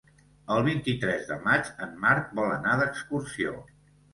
El vint-i-tres de maig en Marc vol anar d'excursió.